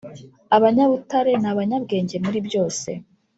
abanyabutare nabanyabwenge muri byose